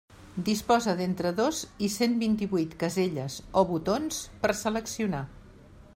Disposa d'entre dos i cent vint-i-vuit caselles o botons per seleccionar.